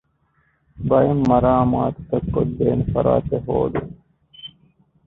ބައެއް މަރާމާތުތައް ކޮށްދޭނެ ފަރާތެއް ހޯދުން